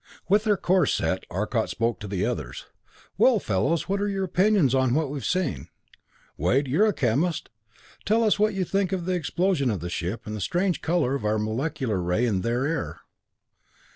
With their course set, Arcot spoke to the others. "Well, fellows, what are your opinions on what we've seen? Wade, you're a chemist tell us what you think of the explosion of the ship, and of the strange color of our molecular ray in their air."